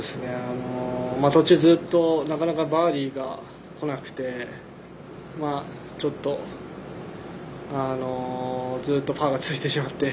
途中ずっとなかなかバーディーがこなくてずっとパーが続いてしまって。